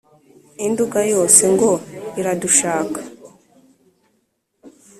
induga yose ngo iradushaka